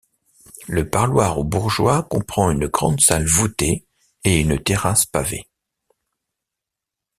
Le parloir aux bourgeois comprend une grande salle voûtée et une terrasse pavée.